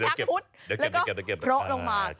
เดี๋ยวเก็บแล้วก็โป๊ะลงมา